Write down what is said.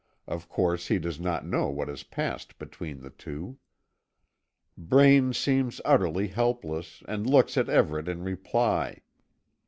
Of course he does not know what has passed between the two. Braine seems utterly helpless, and looks at Everet in reply.